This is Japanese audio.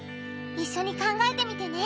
いっしょに考えてみてね！